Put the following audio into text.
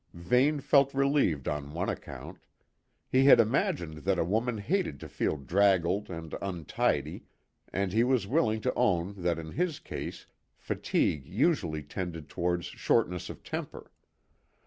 Vane felt relieved on one account. He had imagined that a woman hated to feel draggled and untidy, and he was willing to own that in his case fatigue usually tended towards shortness of temper.